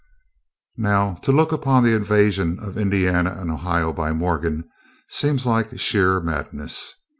Now, to look upon the invasion of Indiana and Ohio by Morgan seems like sheer madness.